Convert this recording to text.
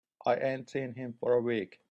I ain't seen him for a week.